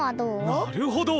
なるほど。